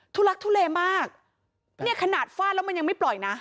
ทักทุเลมากเนี่ยขนาดฟาดแล้วมันยังไม่ปล่อยนะ